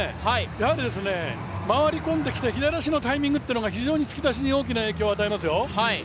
やはり回り込んできて、左足のタイミングが非常に突き出しに大きな影響を与えますよ。